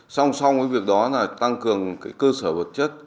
song song với việc đó là tăng cường cơ sở vật chất